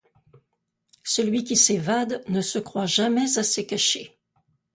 Celui qui s'évade ne se croit jamais assez caché.